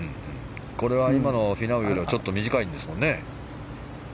これは今のはフィナウよりちょっと短いんですものね。